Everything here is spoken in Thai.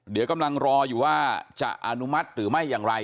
เดี๋ยวกำลังรออยู่ว่าจะอนุมัติหรือไม่อย่างไร